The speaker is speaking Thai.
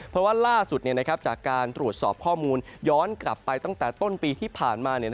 เพราะว่าล่าสุดจากการตรวจสอบข้อมูลย้อนกลับไปตั้งแต่ต้นปีที่ผ่านมา